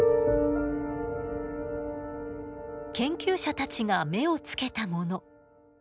研究者たちが目をつけたもの